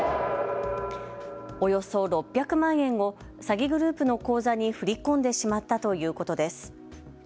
およそ６００万円を詐欺グループの口座に振り込んでしまったということです。